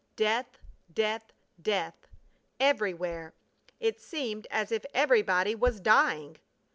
Death! Death! Death! Everywhere! It seemed as if everybody was dying!